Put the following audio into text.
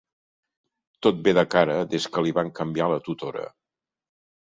Tot ve de cara des que li van canviar la tutora.